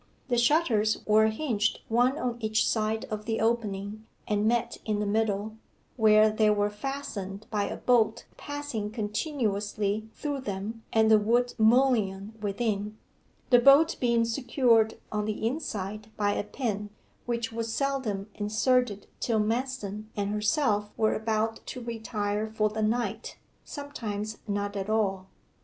The shutters were hinged one on each side of the opening, and met in the middle, where they were fastened by a bolt passing continuously through them and the wood mullion within, the bolt being secured on the inside by a pin, which was seldom inserted till Manston and herself were about to retire for the night; sometimes not at all.